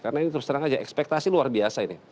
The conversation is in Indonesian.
karena ini terus terang aja ekspektasi luar biasa ini